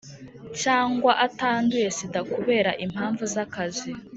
cyangwa atanduye sida kubera impam- vu z’akazi,